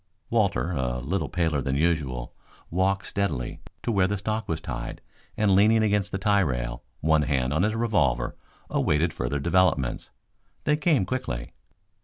Walter, a little paler than usual, walked steadily to where the stock was tied and leaning against the tie rail, one hand on his revolver, awaited further developments. They came quickly.